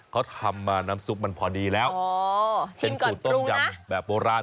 เขาทำน้ำน้ำซุปมันพอดีแล้วฯถูกก่อนปรุงนะแบบโบราณ